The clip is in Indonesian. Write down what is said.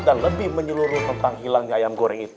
dan lebih menyeluruh tentang hilangnya ayam goreng itu